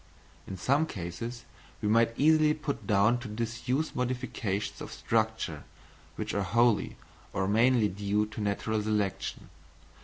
In some cases we might easily put down to disuse modifications of structure which are wholly, or mainly due to natural selection.